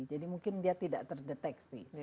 jadi mungkin dia tidak terdeteksi